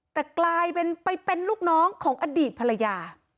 แต่กลายเป็นไปเป็นลูกน้องของอดีตภรรยา